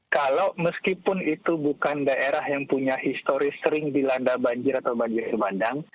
kalau meskipun itu bukan daerah yang punya historis sering dilanda banjir atau banjir memandang